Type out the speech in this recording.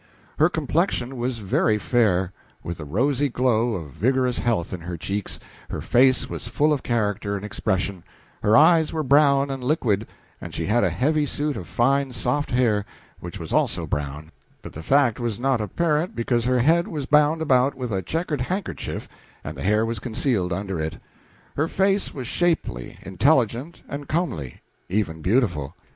Her complexion was very fair, with the rosy glow of vigorous health in the cheeks, her face was full of character and expression, her eyes were brown and liquid, and she had a heavy suit of fine soft hair which was also brown, but the fact was not apparent because her head was bound about with a checkered handkerchief and the hair was concealed under it. Her face was shapely, intelligent and comely even beautiful.